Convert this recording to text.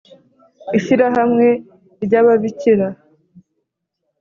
ishyirahamwe ry ababikira